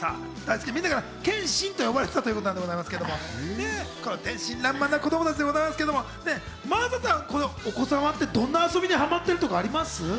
みんなから「けんしん」と呼ばれていたそうですが、この天真爛漫な子供たちでございますけど、真麻さん、お子さんはどんな遊びにハマってるとかあります？